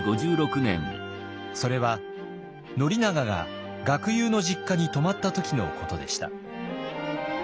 それは宣長が学友の実家に泊まった時のことでした。